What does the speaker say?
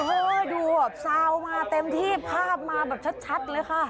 เออดูแบบซาวมาเต็มที่ภาพมาแบบชัดเลยค่ะ